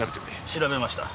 調べました。